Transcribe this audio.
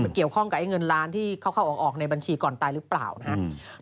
เกี่ยวข้องกับไอ้เงินล้านที่เข้าออกในบัญชีก่อนตายหรือเปล่านะครับ